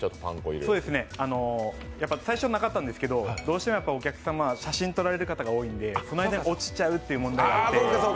そうですね、やっぱ最初なかったんですけどどうしてもお客様、写真を撮られる方が多いので、その間に落ちちゃうっていう問題があって。